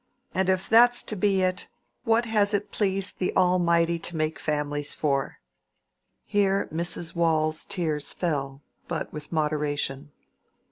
And if that's to be it, what has it pleased the Almighty to make families for?" Here Mrs. Waule's tears fell, but with moderation.